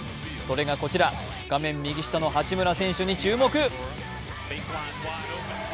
それがこちら、画面右下の八村選手に注目。